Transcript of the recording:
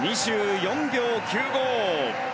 ２４秒９５。